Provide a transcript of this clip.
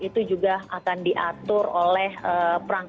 itu juga akan diatur oleh perangkat